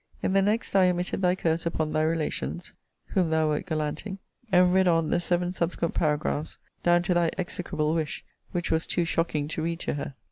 In the next I omitted thy curse upon thy relations, whom thou wert gallanting: and read on the seven subsequent paragraphs down to thy execrable wish; which was too shocking to read to her.